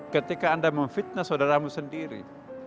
ketika anda memfitnah saudaramu sendiri